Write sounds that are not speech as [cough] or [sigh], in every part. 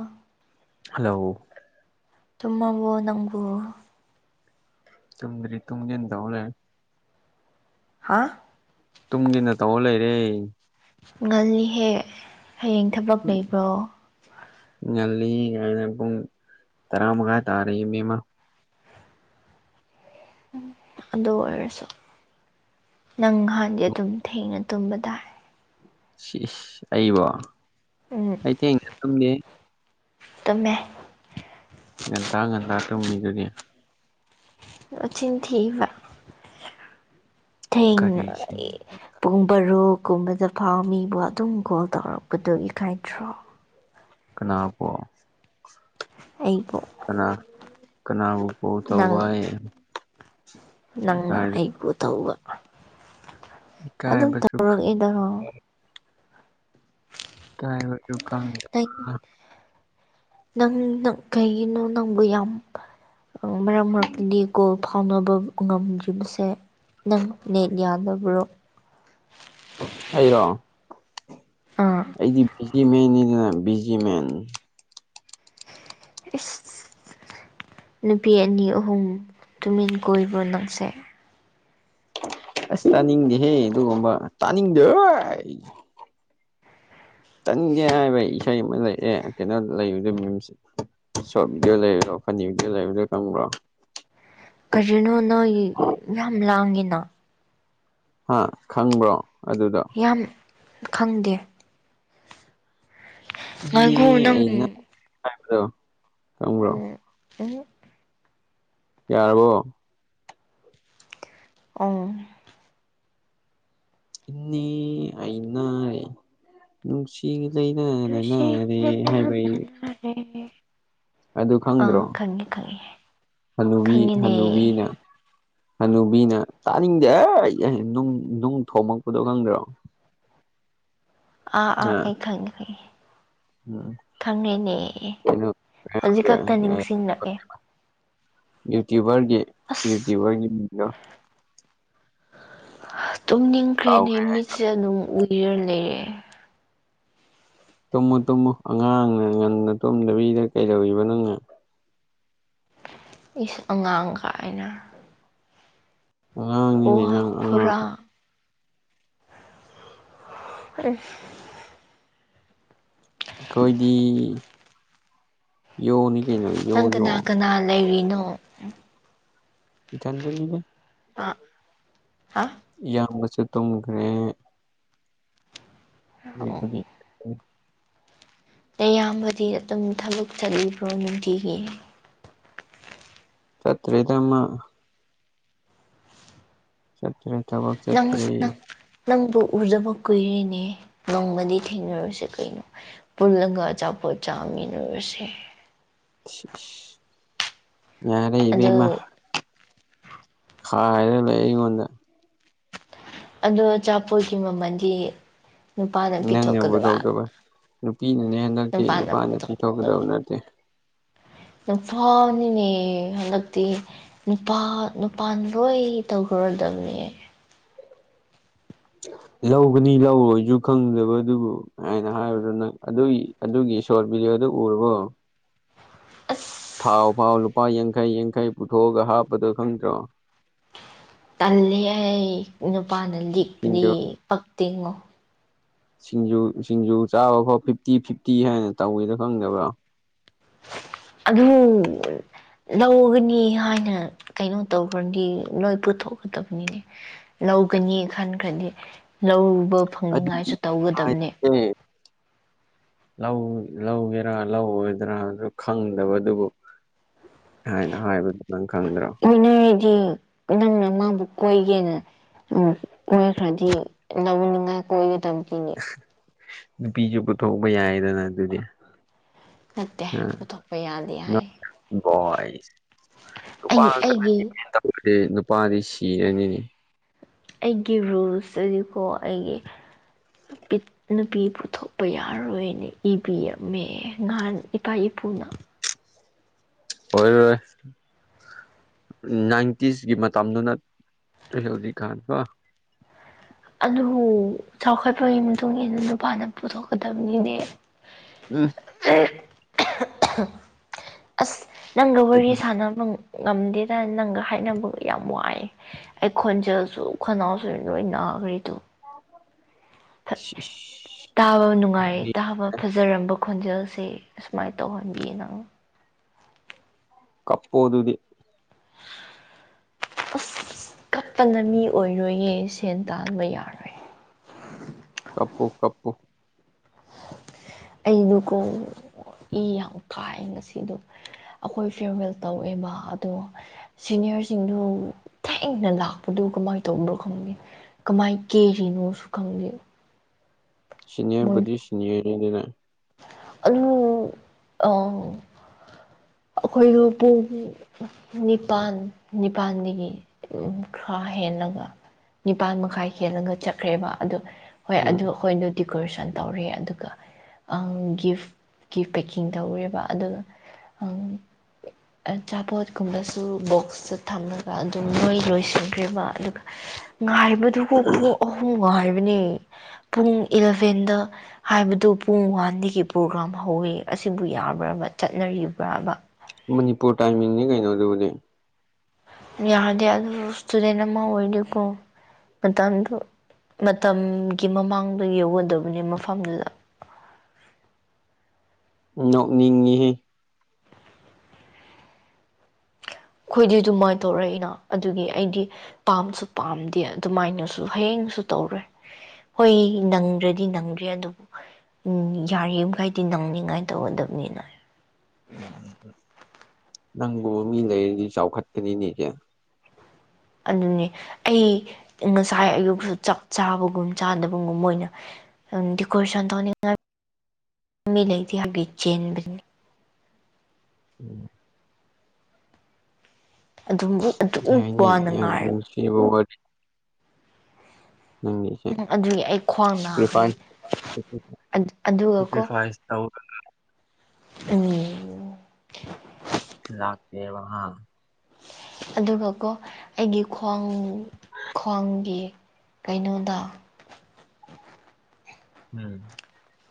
ꯑꯥ hello ꯇꯨꯃꯕꯣ ꯅꯪꯕꯨ ꯇꯨꯝ꯭ꯗꯔꯤ ꯇꯨꯝꯒꯦꯅ ꯇꯧ ꯂꯩꯔꯦ ꯍꯥ ꯇꯨꯝꯒꯦꯅ ꯇꯧ ꯂꯩꯔꯦ ꯉꯜꯂꯤꯍꯦ ꯍꯌꯦꯡ ꯊꯕꯛ ꯂꯩꯕ꯭ꯔꯣ ꯉꯜꯂꯤ ꯀꯥꯢꯅ ꯄꯨꯡ ꯇꯔꯥ ꯃꯉꯥ ꯇꯥꯔꯦ ꯏꯕꯦꯝꯃ ꯎꯝ ꯑꯗꯨ ꯑꯣꯏꯔꯁꯨ ꯅꯪ ꯅꯍꯥꯟꯗꯤ ꯑꯗꯨꯝ ꯊꯦꯡꯅ ꯇꯨꯝꯕ ꯇꯥꯏ ꯁꯤꯁ ꯑꯩꯕꯣ ꯎꯝ ꯑꯩ ꯊꯦꯡꯅ ꯇꯨꯝꯗꯦ ꯍ ꯇꯨꯝꯃꯦ ꯉꯟꯇ ꯉꯟꯇꯥ ꯇꯨꯝꯃꯤꯗꯨꯗꯤ ꯅꯆꯤꯟ ꯊꯤꯕ ꯊꯦꯡꯅ ꯀꯔꯤ ꯑꯩ ꯁꯤꯟꯒꯦ ꯄꯨꯡ ꯕꯥꯔꯣ ꯀꯨꯝꯕꯗ ꯐꯥꯎ ꯃꯤꯕꯨ ꯑꯗꯨꯝ ꯀꯣꯜ ꯇꯧꯔꯛꯄꯗꯨ ꯏꯀꯥꯏꯗꯔꯣ ꯀꯅꯥꯄꯣ ꯑꯩꯕꯣ ꯀꯅꯥ ꯀꯅꯥꯕꯨ ꯀꯣꯜ ꯇꯧꯕ ꯅꯪ ꯍꯥꯏ ꯅꯪꯅ ꯍꯥꯏꯗ ꯑꯩꯕꯨ ꯇꯧꯕ ꯑꯗꯨꯝ ꯀꯥꯏꯕꯁꯨ ꯈꯪꯗꯦ ꯇꯧꯔꯛꯏꯗꯔꯣ ꯏꯀꯥꯏꯕꯁꯨ ꯈꯪ ꯅꯪ ꯅꯪ ꯅꯪ ꯀꯩꯒꯤꯅꯣ ꯅꯪꯕꯨ ꯌꯥꯝ ꯃꯔꯛ ꯃꯔꯛꯇꯗꯤ ꯀꯣꯜ ꯐꯥꯎꯅꯕ ꯉꯝꯗ꯭ꯔꯤꯕꯁꯦ ꯅꯪ ꯅꯦꯠ ꯌꯥꯗꯕ꯭ꯔꯣ ꯑꯩꯔꯣ ꯑꯥ ꯑꯩꯗꯤ ꯕꯤꯖꯤ ꯃꯦꯟꯅꯤꯗꯅ ꯕꯤꯖꯤꯃꯦꯟ ꯏꯁꯁ ꯅꯨꯄꯤ ꯑꯅꯤ ꯑꯍꯨꯝ ꯇꯨꯃꯤꯟ ꯀꯣꯏꯕ꯭ꯔꯣ ꯅꯪꯁꯦ ꯑꯁ ꯇꯥꯅꯤꯡꯗꯦꯍꯦ ꯑꯗꯨꯒꯨꯝꯕ ꯇꯥꯅꯤꯡꯗꯦ ꯍꯣꯏ ꯇꯟꯒꯦ ꯍꯥꯏꯕ ꯏꯁꯩ ꯑꯃ ꯂꯩꯑꯦ ꯀꯩꯅꯣ ꯂꯩꯕꯗ ꯃꯨꯝꯁꯤ ꯁꯣ ꯚꯤꯗꯤꯑꯣ ꯂꯩꯕ꯭ꯔꯣ ꯐꯅꯤ ꯚꯤꯗꯤꯑꯣ ꯂꯩꯕꯗꯣ ꯈꯪꯕ꯭ꯔꯣ ꯀꯔꯤꯅꯣ ꯅꯣꯏ ꯌꯥꯝ ꯂꯥꯡꯉꯤꯅ ꯍꯥ ꯈꯪꯕ꯭ꯔꯣ ꯑꯗꯨꯗꯣ ꯌꯥꯝ ꯈꯪꯗꯦ ꯏꯅꯦ ꯉꯥꯒꯨ ꯅꯪ ꯑꯩꯅꯗꯣ [unintelligible] ꯈꯪꯕ꯭ꯔꯣ ꯎꯝ ꯌꯥꯔꯕꯣ ꯑꯝ ꯏꯅꯦ ꯑꯩ ꯅꯥꯥꯔꯦ ꯅꯨꯡꯁꯤ ꯂꯩꯅꯥꯅ ꯅꯥꯔꯦ ꯍꯥꯏꯕꯩ [unintelligible] ꯑꯗꯨ ꯈꯪꯗ꯭ꯔꯣ ꯑꯥ ꯈꯪꯉꯦ ꯈꯪꯉꯦ ꯍꯅꯨꯕꯤ ꯈꯪꯉꯤꯅꯦ ꯍꯅꯨꯕꯤꯅ ꯍꯅꯨꯕꯤꯅ ꯇꯥꯅꯤꯡꯗꯦ ꯍꯦ ꯅꯨꯡ ꯅꯨꯡ ꯊꯣꯝꯃꯛꯄꯗꯣ ꯈꯪꯗ꯭ꯔꯣ ꯑꯥ ꯑꯥ ꯑ ꯑꯩ ꯈꯪꯪꯉꯦ ꯈꯪꯉꯦ ꯎꯝ ꯈꯪꯉꯦꯅꯦ ꯀꯩꯅꯣ ꯍꯧꯖꯤꯛ ꯈꯛꯇꯥ ꯅꯤꯡꯁꯤꯡꯉꯛꯑꯦ ꯌꯨꯇꯨꯕꯔꯒꯤ ꯑꯁ ꯌꯨꯇꯨꯕꯔꯒꯤ [unintelligible] ꯇꯨꯝ ꯀꯥꯎ ꯅꯤꯡꯈ꯭ꯔꯦꯅꯦ ꯃꯤꯠꯁꯦ ꯑꯗꯨꯝ ꯎꯏꯔꯥ ꯂꯩꯔꯦ ꯇꯨꯝꯃꯣ ꯇꯨꯝꯃꯣ ꯑꯉꯥꯡꯅ ꯉꯟꯅ ꯇꯨꯝꯗꯕꯤꯗ ꯀꯩꯗꯧꯔꯤꯕ ꯅꯪꯅ ꯏꯁ ꯑꯉꯥꯡ ꯀꯥꯏꯅ ꯑꯉꯥꯡꯅꯤꯅꯦ ꯋꯥ ꯅꯪ ꯑꯉꯥꯡ ꯈꯨꯔꯥꯡ ꯑꯁ ꯑꯩꯈꯣꯏꯗꯤ ꯌꯣꯅꯤ ꯀꯩꯅꯣ ꯌꯣ ꯅꯪ ꯌꯣ ꯀꯅꯥ ꯀꯅꯥ ꯂꯩꯔꯤꯅꯣ ꯏꯊꯟꯗꯅꯤꯗ ꯑꯥ ꯏꯌꯥꯝꯕꯁꯨ ꯇꯨꯝꯈ꯭ꯔꯦ ꯑꯣ [unintelligible] ꯅꯌꯥꯝꯕꯗꯤ ꯑꯗꯨꯝ ꯊꯕꯛ ꯆꯠꯂꯤꯕ꯭ꯔꯣ ꯅꯨꯡꯇꯤꯒꯤ ꯆꯠꯇ꯭ꯔꯤꯗ ꯃꯥ ꯆꯠꯇ꯭ꯔꯦ ꯊꯕꯛ ꯅꯪꯒ ꯆꯠꯇ꯭ꯔꯦ ꯁꯨꯅꯪ ꯅꯪꯕꯨ ꯎꯗꯕ ꯀꯨꯏꯔꯦꯅꯦ ꯅꯣꯡꯃꯗꯤ ꯊꯦꯡꯅꯔꯁꯤ ꯀꯩꯅꯣ ꯄꯨꯜꯂꯒꯥ ꯑꯆꯥꯄꯣꯠ ꯆꯥꯃꯤꯟꯅꯔꯨꯁꯦ ꯁꯤꯁ ꯌꯥꯔꯦ ꯏꯕꯦꯝꯃꯥ ꯑꯗꯨ ꯈꯥꯏꯔꯥ ꯂꯩ ꯑꯩꯉꯣꯟꯗ ꯑꯗꯣ ꯑꯆꯥꯄꯣꯠꯀꯤ ꯃꯃꯜꯗꯤ ꯅꯨꯄꯥꯅ ꯅꯪꯅ ꯄꯨꯊꯣꯛ ꯄꯤꯊꯣꯛꯀꯗꯕ ꯀꯗꯕ ꯅꯨꯄꯤꯅꯅꯦ ꯍꯟꯗꯛꯇꯤ ꯅꯨꯄꯥꯅ ꯄꯤꯊꯣꯛꯀꯗꯕ ꯅꯠꯇꯦ ꯅꯨꯄꯥꯅꯤꯅꯦ ꯍꯟꯗꯛꯇꯤ ꯅꯨꯄꯥ ꯅꯨꯄꯥꯥꯅ ꯂꯣꯏ ꯇꯧꯈ꯭ꯔꯥꯗꯝꯅꯦ ꯂꯧꯒꯅꯤ ꯂꯧꯔꯣꯏꯁꯨ ꯈꯪꯗꯕ ꯗꯨꯕꯨ ꯑꯩꯅ ꯍꯥꯏꯕꯗꯨ ꯅꯪ ꯑꯗꯨꯒꯤ ꯑꯗꯨꯒꯤ ꯁꯣꯔꯠ ꯚꯤꯗꯤꯑꯣꯗꯨ ꯎꯔꯕꯣ ꯑꯁ ꯊꯥꯎ ꯐꯥꯎ ꯂꯨꯄꯥ ꯌꯥꯡꯈꯩ ꯌꯥꯡꯈꯩ ꯄꯨꯊꯣꯛꯑꯒ ꯍꯥꯞꯄꯗꯣ ꯈꯪꯗ꯭ꯔꯣ ꯇꯜꯂꯤ ꯍꯦ ꯅꯨꯄꯥꯅ ꯂꯤꯛꯄꯗꯤ ꯁꯤꯡꯖꯨ ꯄꯛ ꯇꯦꯡꯉꯣ ꯁꯤꯡꯖꯨ ꯁꯤꯡꯖꯨ ꯆꯥꯕ ꯐꯥꯎ ꯐꯤꯐꯇꯤ ꯐꯤꯐꯇꯤ ꯍꯥꯏꯅ ꯇꯧꯋꯦꯗꯣ ꯈꯪꯗꯕ꯭ꯔꯥ ꯑꯗꯨ ꯂꯧꯒꯅꯤ ꯍꯥꯏꯅ ꯀꯩꯅꯣ ꯇꯧꯈ꯭ꯔꯥꯗꯤ ꯂꯣꯏ ꯄꯨꯊꯣꯛꯀꯗꯕꯅꯤꯅꯦ ꯂꯧꯒꯅꯤ ꯈꯟꯈ꯭ꯔꯥꯗꯤ ꯂꯧꯕ ꯑꯗꯨ ꯐꯪꯅꯤꯡꯉꯥꯏꯁꯨ ꯇꯧꯒꯗꯕꯅꯦ ꯍꯥꯏꯁꯦ [unintelligible] ꯂꯧ ꯂꯧꯒꯦꯔꯥ ꯂꯧꯔꯣꯏꯗ꯭ꯔꯥꯖꯨ ꯈꯪꯗꯕ ꯗꯨꯕꯨ ꯊꯥꯏꯅ ꯍꯥꯏꯕꯗꯨ ꯅꯪ ꯈꯪꯗ꯭ꯔꯣ ꯀꯣꯏꯅꯔꯥꯗꯤ ꯅꯪꯅ ꯃꯥꯕꯨ ꯀꯣꯏꯒꯦꯅ ꯎꯝ ꯀꯣꯏꯈ꯭ꯔꯥꯗꯤ ꯂꯧꯅꯤꯡꯉꯥꯏ ꯀꯣꯏꯒꯗꯕꯅꯦ ꯅꯨꯄꯤꯖꯨ ꯄꯨꯊꯣꯛꯄꯥ ꯌꯥꯏꯗꯅ ꯑꯗꯨꯗꯤ ꯅꯠꯇꯦ ꯑ ꯄꯨꯊꯣꯛꯄꯥ ꯌꯥꯗꯦ ꯅꯣꯠ ꯍꯥꯏ ꯕꯣꯏꯁ ꯑꯩ ꯑꯩꯒꯤ [unintelligible] ꯑꯦ ꯅꯨꯄꯥꯗꯤ ꯁꯤꯔꯥꯅꯤꯅꯦ ꯑꯩꯒꯤ ꯔꯨꯜꯁ ꯇꯗꯤꯀꯣ ꯑꯩꯒꯤ ꯄꯤꯠ ꯅꯨꯄꯤ ꯄꯨꯊꯣꯛꯄ ꯌꯥꯔꯣꯏꯅꯦ ꯏꯕꯤꯔꯝꯃꯦ ꯅꯍꯥꯟ ꯏꯄꯥ ꯏꯄꯨꯅ ꯑꯣꯏꯔꯣꯏ ꯅꯥꯏꯟꯇꯤꯁꯀꯤ ꯃꯇꯝꯗꯨ ꯅꯠ ꯇ꯭ꯔꯦ ꯍꯧꯖꯤꯛ ꯀꯥꯟ ꯀꯣ ꯑꯗꯨ ꯆꯥꯎꯈꯠꯄꯒꯤ ꯃꯇꯨꯡ ꯏꯟꯅ ꯅꯨꯄꯥꯅ ꯄꯨꯊꯣꯛꯀꯗꯕꯅꯤꯅꯦ ꯎꯝ [unintelligible] ꯑꯁ ꯅꯪꯒ ꯋꯥꯔꯤ ꯁꯥꯟꯅꯕ ꯉꯝꯗꯦꯗ ꯅꯪꯒ ꯍꯥꯏꯅꯕ ꯌꯥꯝ ꯋꯥꯏ ꯑꯩ ꯈꯣꯟꯖꯦꯜꯁꯨ ꯈꯅꯥꯎꯁꯨ ꯂꯣꯏ ꯅꯥꯈ꯭ꯔꯦ ꯇꯨ ꯁꯤ ꯁꯤ ꯇꯥꯕ ꯅꯨꯡꯉꯥꯏ ꯇꯥꯕ ꯐꯖꯔꯝꯕ ꯈꯣꯟꯖꯦꯜꯁꯦ ꯑꯁꯨꯃꯥꯏꯅ ꯇꯧꯍꯟꯕꯤ ꯅꯨ ꯀꯞꯄꯣꯗꯨꯗꯤ ꯑꯁ ꯀꯠꯄꯅ ꯃꯤ ꯑꯣꯏꯔꯣꯏꯌꯦ ꯁꯦꯟ ꯇꯥꯟꯕ ꯌꯥ ꯀꯞꯄꯨ ꯀꯞꯄꯨ ꯑꯩꯗꯨꯀꯣ ꯏ ꯌꯥꯝ ꯀꯥꯏ ꯉꯁꯤꯗꯣ ꯑꯈꯣꯏ ꯐꯦꯔꯋꯦꯜ ꯇꯧꯋꯦꯕ ꯑꯗꯣ ꯁꯤꯅꯤꯌꯔꯁꯤꯡꯗꯨ ꯊꯦꯡꯅ ꯂꯥꯛꯄꯗꯨ ꯀꯃꯥꯏ ꯇꯧꯕꯅꯣ ꯈꯪꯗꯦ ꯀꯃꯥꯏ ꯀꯦꯔꯤꯅꯣꯁꯨ ꯈꯪꯗꯦ ꯃꯣꯏ ꯁꯤꯅꯤꯌꯔꯕꯨꯗꯤ ꯁꯤꯅꯤꯌꯔꯅꯤꯗꯅ ꯑꯗꯨ ꯑꯥ ꯑꯩꯈꯣꯏꯗꯣ ꯄꯨꯡ ꯅꯤꯄꯥꯟ ꯅꯤꯄꯥꯟꯗꯒꯤ ꯎ ꯈ꯭ꯔꯥ ꯍꯦꯜꯂꯒ ꯅꯤꯄꯥꯜ ꯃꯈꯥꯏ ꯍꯦꯜꯂꯒ ꯆꯠꯈ꯭ꯔꯦꯕ ꯑꯗꯨ ꯍꯣꯏ ꯎꯝ ꯑꯗꯨ ꯑꯩꯈꯣꯏꯗꯣ ꯗꯦꯀꯣꯔꯦꯁꯟ ꯇꯧꯔꯦ ꯑꯗꯨꯒ ꯑꯪ ꯒꯤꯐ ꯒꯤꯐ ꯄꯦꯛꯀꯤꯡ ꯇꯧꯋꯦꯕ ꯑꯗꯨꯅ ꯑꯪ ꯑꯆꯥꯄꯣꯠꯀꯨꯝꯕꯁꯨ ꯕꯣꯛꯁꯇ ꯊꯝꯃꯒ ꯑꯗꯨꯝ ꯂꯣꯏ ꯂꯣꯏꯁꯤꯟꯈ꯭ꯔꯦꯕ ꯑꯗꯨꯒ ꯉꯥꯏꯕꯗꯨꯕꯨ ꯄꯨꯡ ꯑꯍꯨꯝ ꯉꯥꯏꯕꯅꯤ ꯄꯨꯡ ꯏꯂꯚꯦꯟꯗ ꯍꯥꯏꯕꯗꯨ ꯄꯨꯡ ꯋꯥꯟꯗꯒꯤ ꯄ꯭ꯔꯣꯒ꯭ꯔꯥꯝ ꯍꯧꯋꯦ ꯑꯁꯤꯕꯨ ꯌꯥꯕ꯭ꯔꯕ ꯆꯠꯅꯔꯤꯕ꯭ꯔꯕ ꯃꯅꯤꯄꯨꯔ ꯇꯥꯏꯃꯤꯡꯅꯤ ꯀꯩꯅꯣ ꯑꯗꯨꯕꯨꯗꯤ ꯌꯥꯗꯦ ꯑꯗꯨ ꯁ꯭ꯇꯨꯗꯦꯟ ꯑꯃ ꯑꯣꯏꯔꯗꯤꯀꯣ ꯃꯇꯝꯗꯨ ꯃꯇꯝꯒꯤ ꯃꯃꯥꯡꯗ ꯌꯧꯒꯗꯕꯅꯦ ꯃꯐꯝꯗꯨꯗ ꯅꯣꯛꯅꯤꯡꯉꯤꯍꯦ ꯈꯣꯏꯗꯤ ꯑꯗꯨꯃꯥꯏ ꯇꯧꯔꯛꯏꯅ ꯑꯗꯨꯒꯤ ꯑꯩꯗꯤ ꯄꯥꯝꯁꯨ ꯄꯥꯝꯗꯦ ꯑꯗꯨꯃꯥꯏꯅꯁꯨ ꯍꯌꯦꯡꯁꯨ ꯇꯧꯔꯣꯏ ꯍꯣꯏ ꯅꯪꯗ꯭ꯔꯗꯤ ꯅꯪꯗ꯭ꯔꯦ ꯑꯗꯨꯕꯨ ꯎꯝ ꯌꯥꯔꯤꯃꯈꯩꯗꯤ ꯅꯪꯅꯤꯡꯉꯥꯏ ꯇꯧꯒꯗꯕꯅꯤꯅ ꯅꯪꯕꯨ ꯃꯤ ꯂꯩꯔꯗꯤ ꯆꯥꯎꯈꯠꯀꯅꯤꯅꯦ ꯀꯦꯝ ꯑꯗꯨꯅꯦ ꯑꯩ ꯉꯁꯥꯏ ꯑꯌꯨꯛꯁꯨ ꯆꯥꯛ ꯆꯥꯕꯒꯨꯝ ꯆꯥꯗꯕꯒꯨꯝ ꯃꯣꯏꯅ ꯗꯦꯀꯣꯔꯦꯁꯟ ꯇꯧꯅꯤꯡꯉꯥꯏ ꯃꯤ ꯂꯩꯇꯦ ꯍꯥꯏꯕꯒꯤ ꯆꯦꯟꯕꯅꯤ ꯎꯝ ꯑꯗꯨꯝ ꯎ ꯑꯗꯨꯝ ꯋꯥꯅ ꯉꯥꯏꯔ ꯏꯕꯣ ꯋꯥꯔꯤ ꯅꯪꯒꯤꯁꯦ ꯎꯝ ꯑꯗꯨꯒꯤ ꯑꯩ ꯈ꯭ꯋꯥꯡ ꯅꯥꯈ꯭ꯔꯦ ꯁꯦꯀ꯭ꯔꯤꯐꯥꯏ ꯑꯗꯨꯒꯀꯣ ꯁꯦꯀ꯭ꯔꯤꯐꯥꯏꯁ ꯇꯧ [unintelligible] ꯎꯝ ꯂꯥꯛꯇꯦꯕ ꯍ ꯑꯗꯨꯒꯀꯣ ꯑꯩꯒꯤ ꯈ꯭ꯋꯥꯡ ꯈ꯭ꯋꯥꯡꯒꯤ ꯀꯩꯅꯣꯗ ꯎꯝ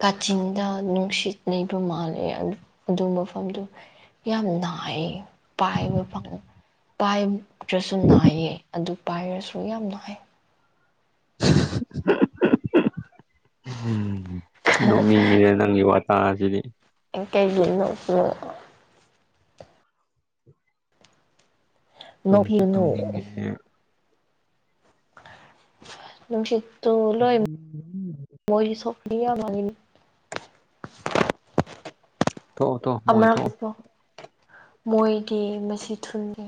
ꯀꯥꯆꯤꯟꯗ ꯅꯨꯡꯁꯤꯠ ꯂꯩꯕ ꯃꯥꯜꯂꯦ ꯑꯗꯨ ꯑꯗꯨ ꯃꯐꯝꯗꯨ ꯌꯥꯝ ꯅꯥꯏ ꯄꯥꯏꯕ ꯐꯪ ꯄꯥꯏꯗ꯭ꯔꯁꯨ ꯅꯥꯏꯌꯦ ꯑꯗꯨ ꯄꯥꯏꯔꯁꯨ ꯌꯥꯝ ꯅꯥꯏ [unintelligible] ꯅꯣꯛꯅꯤꯡꯉꯦ ꯅꯪ ꯅꯪꯒꯤ ꯋꯥꯇꯥꯖꯤꯗꯤ ꯑꯦ ꯀꯩꯒꯤ ꯅꯣꯛꯄꯅꯣ ꯇꯨꯝꯁꯨ ꯅꯣꯛꯄꯤꯒꯅꯨ ꯇꯨꯝꯅꯤꯡꯉꯦ ꯅꯨꯡꯁꯤꯠ ꯇꯣ ꯂꯣꯏ ꯃꯣꯏꯖꯨ ꯊꯣꯛ [unintelligible] ꯊꯣꯛꯑꯣ ꯊꯣꯛꯑꯣ ꯃꯣꯏ ꯑꯃꯔꯛ ꯊꯣꯛꯑꯣ ꯇꯣ ꯃꯣꯏꯒꯤ ꯃꯁꯤ ꯊꯨꯟꯒꯤ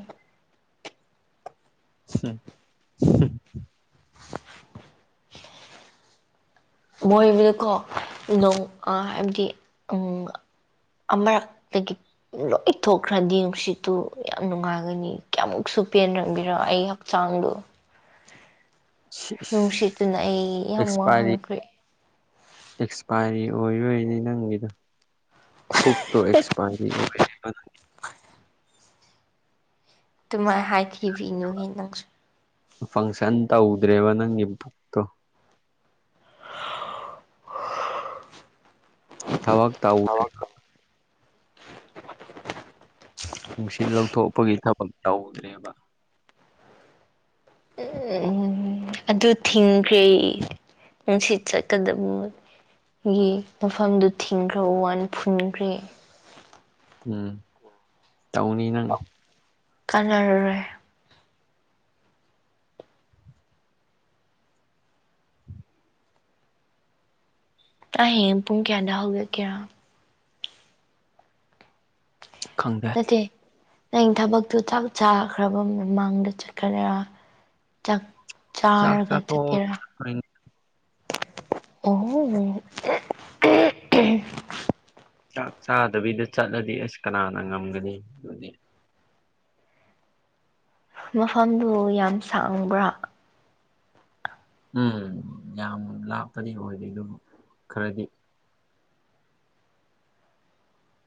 ꯍꯝ ꯍꯝ [unintelligible] ꯃꯣꯏꯕꯨꯗꯤꯀꯣ ꯅꯣꯡ ꯑꯥ ꯍꯥꯏꯕꯗꯤ ꯑꯥꯪ ꯑꯃꯔꯛꯇꯒꯤ ꯂꯣꯏ ꯊꯣꯛꯈ꯭ꯔꯗꯤ ꯅꯨꯡꯁꯤꯠꯇꯨ ꯌꯥꯝ ꯅꯨꯡꯉꯥꯏꯒꯅꯤ ꯀꯌꯥꯃꯨꯛꯁꯨ ꯄꯦꯟꯔꯝꯒꯦꯔ ꯑꯩ ꯆꯥꯡꯗꯨ ꯅꯨꯡꯁꯤꯠꯇꯨꯅ ꯑꯩ ꯌꯥꯝ ꯑꯦꯛꯁꯄꯥꯏꯔꯤ ꯋꯥꯍꯟꯈ꯭ꯔꯦ ꯑꯦꯛꯁꯄꯥꯏꯔꯤ ꯑꯣꯏꯕꯩꯅꯤ ꯅꯪꯒꯤꯗꯣ ꯄꯨꯛꯇꯣ ꯑꯦꯛꯁꯄꯥꯏꯔꯤ ꯑꯣꯏꯔꯦꯕ ꯅꯪꯒꯤ ꯑꯗꯨꯃꯥꯏ ꯍꯥꯏꯊꯤꯕꯤꯅꯨꯍꯦ ꯅꯪꯁꯨ ꯐꯪꯁꯟ ꯇꯧꯗ꯭ꯔꯦꯕ ꯅꯪꯒꯤ ꯕꯨꯛ ꯊꯕꯛ ꯇꯧꯈ꯭ꯔꯦꯕ ꯅꯨꯡꯁꯤꯠ ꯂꯧꯊꯣꯛꯄꯒꯤ ꯊꯕꯛ ꯇꯧꯗ꯭ꯔꯦꯕ ꯑꯦ ꯍꯦ ꯍꯦ ꯍꯦ ꯑꯗꯨ ꯊꯤꯡꯈ꯭ꯔꯦ ꯅꯨꯡꯁꯤꯠ ꯆꯠꯀꯗꯕꯉꯣꯏ ꯌꯦ ꯃꯐꯝꯗꯨ ꯊꯤꯡꯈ꯭ꯔꯕ ꯋꯥꯅꯤ ꯐꯨꯟꯈ꯭ꯔꯦ ꯎꯝ ꯇꯧꯅꯤ ꯅꯪ ꯀꯥꯟꯅꯔꯔꯣꯏ ꯑꯩ ꯍꯥꯌꯦꯡ ꯄꯨꯡ ꯀꯌꯥꯗ ꯍꯧꯒꯠꯀꯦꯔꯥ ꯈꯪꯗꯦ ꯇꯦ ꯅꯪ ꯊꯕꯛꯇꯨ ꯆꯥꯛ ꯆꯥꯈ꯭ꯔꯕ ꯃꯃꯥꯡꯗ ꯆꯠꯀꯗ꯭ꯔꯥ ꯆꯥꯛ ꯆꯥꯛ ꯆꯥꯔꯒ ꯆꯥꯊꯣꯛꯑ ꯆꯠꯀꯦꯔꯥ ꯑꯩꯈꯣꯏꯅ ꯑꯣꯍꯣ ꯍꯣ [unintelligible] ꯆꯥꯛ ꯆꯥꯗꯕꯤꯗ ꯆꯠꯂꯗꯤ ꯑꯁ ꯀꯅꯥꯅ ꯉꯝꯒꯅꯤ ꯑꯗꯨꯗꯤ ꯃꯐꯝꯗꯨ ꯌꯥꯝ ꯁꯥꯡꯕ꯭ꯔꯥ ꯎꯝ ꯌꯥꯝ ꯂꯥꯞꯄꯗꯤ ꯑꯣꯏꯗꯦ ꯑꯗꯨꯕꯨ ꯈꯔꯗꯤ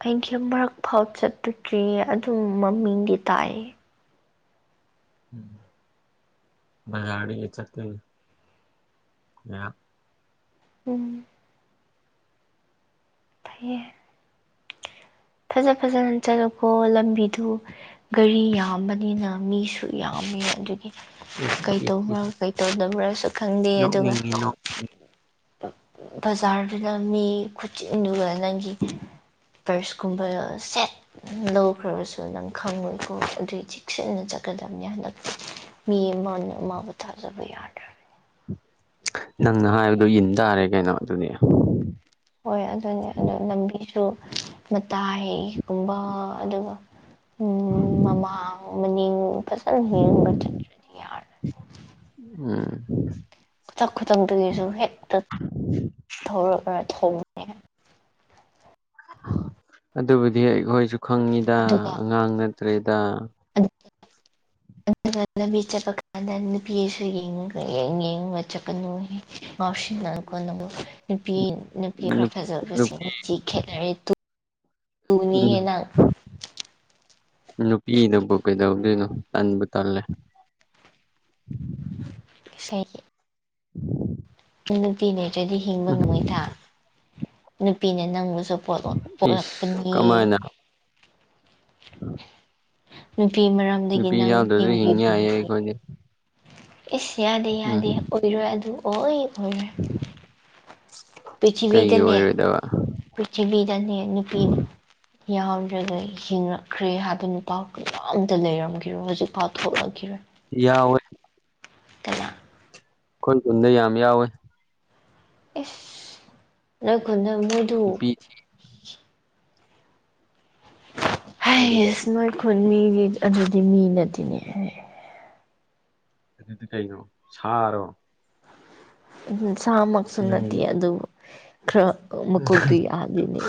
ꯑꯩꯒꯤ ꯃꯔꯛꯐꯥꯎ ꯆꯠꯄꯀꯤ ꯑꯗꯨꯝ ꯃꯃꯤꯡꯗꯤ ꯇꯥꯏꯌꯦ ꯕꯖꯥꯔꯗꯒꯤ ꯆꯠꯀꯅꯤ ꯉꯥꯏꯍꯥꯛ ꯎꯝ ꯐꯩꯌꯦ ꯐꯖ ꯐꯖꯅ ꯆꯠꯂꯣꯀꯣ ꯂꯝꯕꯤꯗꯨ ꯒꯥꯔꯤ ꯌꯥꯝꯕꯅꯤꯅ ꯃꯤꯁꯨ ꯌꯥꯝꯃꯦ ꯑꯗꯨꯒꯤ ꯏꯁ ꯀꯩ ꯏꯁ ꯇꯧꯕ꯭ꯔꯥ ꯏꯁ ꯀꯩ ꯇꯧꯗꯕ꯭ꯔꯁꯨ ꯈꯪꯗꯦ ꯑꯗꯨꯒ ꯅꯣꯛꯅꯤꯡꯉꯤ ꯅꯣꯛꯅꯤꯡ ꯕꯖꯥꯔꯗꯨꯗ ꯃꯤ ꯈꯨꯆꯤꯟꯗꯨꯒ ꯅꯪꯒꯤ ꯄꯔꯁ ꯀꯨꯝꯕ ꯁꯦꯠ ꯂꯧꯈ꯭ꯔꯕꯁꯨ ꯅꯪ ꯈꯪꯉꯣꯏꯀꯣ ꯑꯗꯨꯏ ꯆꯦꯛꯁꯤꯟꯅ ꯆꯠꯀꯗꯕꯅꯤ ꯍꯟꯗꯛꯇꯤ ꯃꯤ ꯑꯃꯅ ꯑꯃꯕꯨ ꯊꯖꯕ ꯌꯥꯗ꯭ꯔꯦ꯫ ꯅꯪꯅ ꯍꯥꯏꯕꯗꯨ ꯏꯟ ꯇꯔꯦ ꯀꯩꯅꯣ ꯑꯗꯨꯗꯤ꯫ ꯍꯣꯏ ꯑꯗꯨꯅꯤ ꯑꯗꯨ ꯂꯝꯕꯤꯁꯨ ꯃꯇꯥꯏꯒꯨꯝꯕ ꯑꯗꯨꯒ ꯎꯝ ꯃꯃꯥꯡ ꯃꯅꯤꯡ ꯐꯖꯅ ꯌꯦꯡꯉ ꯆꯠꯇ꯭ꯔꯥꯗꯤ ꯌꯥꯔꯣꯏ꯫ [unintelligible] ꯎꯝ꯫ ꯈꯨꯊꯛ ꯈꯨꯊꯛꯇꯒꯤꯁꯨ ꯍꯦꯛꯇ ꯊꯣꯔꯛꯂ ꯊꯣꯡꯕꯅꯦ꯫ ꯑꯗꯨꯕꯨꯗꯤ ꯑꯩꯈꯣꯏꯁꯨ ꯈꯪꯉꯤꯗ ꯑꯗꯨꯒ ꯑꯉꯥꯡ ꯅꯠꯇ꯭ꯔꯦꯗ꯫ [unintelligible] ꯑꯗꯨꯒ ꯂꯝꯕꯤ ꯆꯠꯄ ꯀꯥꯟꯗ ꯅꯨꯄꯤꯁꯨ ꯌꯦꯡꯉꯒ ꯌꯦꯡ ꯌꯦꯡꯉꯒ ꯆꯠꯀꯅꯨꯍꯦ꯫ ꯉꯥꯎꯁꯤꯟꯅꯒꯅꯣ ꯅꯨꯄꯤ ꯅꯨꯄꯤ ꯅꯨ ꯈꯔꯥ ꯐꯖꯕꯁꯤꯡ ꯅꯨꯄꯤ ꯃꯤꯆꯤ ꯈꯦꯠꯅꯔꯦ ꯇꯨ ꯇꯨꯅꯤꯍꯦ ꯅꯪ꯫ ꯅꯨꯄꯤꯅꯕꯨ ꯀꯩꯗꯧꯗꯣꯏꯅꯣ ꯇꯟꯕꯨ ꯇꯜꯂꯦ꯫ [unintelligible] ꯏꯁꯩꯒꯤ [unintelligible] ꯅꯨꯄꯤ ꯂꯩꯇ꯭ꯔꯥꯗꯤ ꯍꯤꯡꯕ ꯎꯝ ꯉꯝꯃꯣꯏꯗ ꯅꯨꯄꯤꯅ ꯅꯪꯕꯨꯁꯨ ꯄꯣꯠꯂꯛ ꯏꯁ ꯄꯣꯛꯂꯛꯄꯅꯤ꯫ ꯀꯃꯥꯏꯅ ꯅꯨꯄꯤ ꯃꯔꯝꯗꯒꯤ ꯅꯨꯄꯤ ꯅꯪ ꯌꯥꯎꯗ꯭ꯔꯁꯨ ꯍꯤꯡ ꯌꯥꯏꯌꯦ ꯍꯤꯡꯒꯤꯕꯅꯤ꯫ ꯑꯩꯈꯣꯏꯗꯤ ꯏꯁ ꯎꯝ ꯌꯥꯗꯦ-ꯌꯥꯗꯦ ꯑꯣꯏꯔꯣꯏ ꯑꯗꯨ ꯑꯣꯏ ꯑꯣꯏꯔꯣꯏ꯫ ꯀꯩꯒꯤ ꯄ꯭ꯔꯤꯊꯤꯕꯤꯗꯅꯦ ꯑꯣꯏꯔꯣꯏꯗꯕ? ꯄ꯭ꯔꯤꯊꯤꯕꯤꯗꯅꯦ ꯅꯨꯄꯤꯅꯦ꯫ ꯌꯥꯎꯗ꯭ꯔꯒ ꯍꯤꯡꯉꯛꯈ꯭ꯔꯦ ꯍꯥꯏꯕ ꯅꯨꯄꯥ ꯀꯅꯥꯝꯇ ꯂꯩꯔꯝꯈꯤꯔꯣꯏ ꯍꯧꯖꯤꯛꯐꯥꯎ ꯊꯣꯛꯂꯛꯈꯤꯔꯣꯏ꯫ ꯌꯥꯎꯋꯦ꯫ ꯀꯅꯥ ꯑꯩꯈꯣꯏ ꯈꯨꯟꯗ ꯌꯥꯝ ꯌꯥꯎꯋꯦ꯫ ꯑꯁ ꯅꯣꯏ ꯈꯨꯟꯗ ꯃꯣꯏꯗꯨ ꯅꯨꯄꯤ ꯃꯣꯏꯗꯨ ꯀꯩ ꯍꯩꯁ ꯅꯣꯏ ꯈꯨꯟ ꯃꯤꯒꯤ ꯑꯗꯨꯗꯤ ꯃꯤ ꯅꯠꯇꯦꯅꯦ꯫ ꯑꯗꯨꯗꯤ ꯀꯩꯅꯣ? ꯁꯥꯔꯣ? ꯑꯗꯨꯅ ꯁꯥꯃꯛꯁꯨ ꯅꯪꯗꯤ ꯅꯠꯇꯤꯌꯦ ꯑꯗꯨ ꯈꯔꯥ ꯃꯀꯣꯛꯇꯨ ꯌꯥꯗꯦꯅꯦ꯫